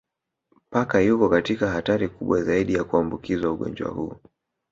Paka yuko katika hatari kubwa zaidi ya kuambukizwa ugonjwa huu